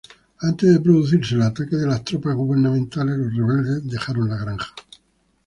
Antes de producirse el ataque de las tropas gubernamentales los rebeldes dejaron la granja.